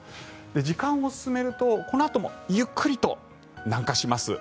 時間を進めると、このあともゆっくりと南下します。